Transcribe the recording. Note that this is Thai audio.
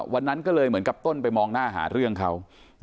วันนั้นก็เลยเหมือนกับต้นไปมองหน้าหาเรื่องเขา